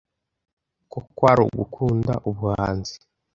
ko kwari ugukunda ubuhanzi